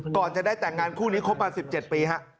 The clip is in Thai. ก่อนจะได้แต่งงานคู่นี้ครบมา๑๗ปีฮะ